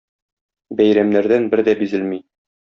Бәйрәмнәрдән бер дә бизелми.